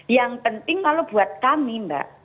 yang penting kalau buat kami mbak